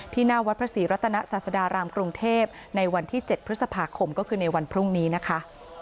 หน้าวัดพระศรีรัตนศาสดารามกรุงเทพในวันที่๗พฤษภาคมก็คือในวันพรุ่งนี้นะคะ